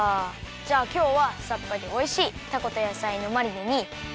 じゃあきょうはさっぱりおいしいたことやさいのマリネにきまり！